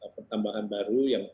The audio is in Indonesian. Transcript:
pertambahan baru yang